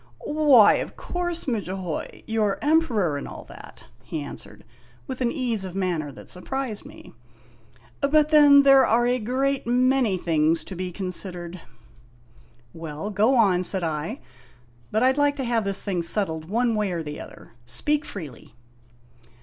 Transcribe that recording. "Why, of course, Mudjahoy, you 're Emperor, and all that," he answered, with an ease of manner that surprised me; "but then there are a great many things to be considered." "Well, go on," said I; "but I 'd like to have this thing settled one way or the other. Speak freely."